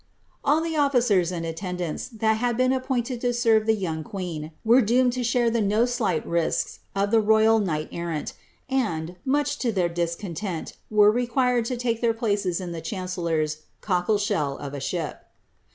All the officers and attendants, that had been appointed to serve the young queen, were doomed to share the no slight risks of the royal knight errant, and, mach to their discontent, were required to take their places in the chan cellor's cockle shell of a ship.